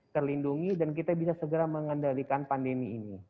terlindungi dan kita bisa segera mengendalikan pandemi ini